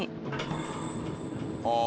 ああ。